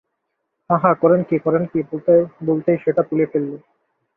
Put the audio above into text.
–হাঁ হাঁ করেন কী, করেন কী, বলতে বলতেই সেটা তুলে ফেললে।